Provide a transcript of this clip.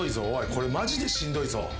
これマジでしんどいぞ。